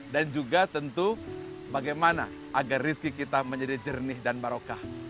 juga tentu bagaimana agar rizki kita menjadi jernih dan barokah